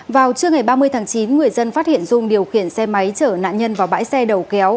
vào trưa ngày ba mươi tháng chín người dân phát hiện dung điều khiển xe máy chở nạn nhân vào bãi xe đầu kéo